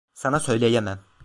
Sana söyleyemem.